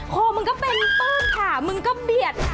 โคมึงก็เป็นตานข่ามึงก็เบียด